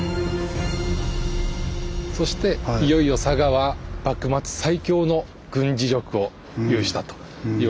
そしていよいよ佐賀は幕末最強の軍事力を有したといわれます